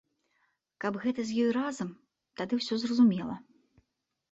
Каб гэта з ёй разам, тады ўсё зразумела.